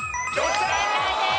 正解です。